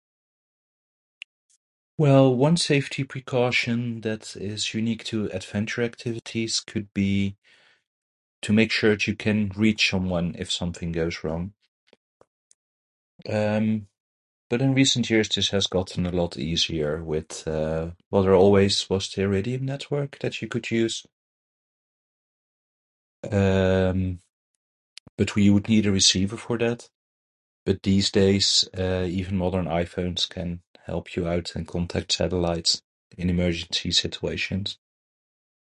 Well, one safety precaution that is unique to adventure activities could be to make sure that you can reach someone if something goes wrong. Um, but in recent years this has gotten a lot easier with, uh, well there always, was already a network that you could use. Um, but you would need a receiver for that. But these days, uh, even modern iPhones can help you out and contact satellites in emergency situations.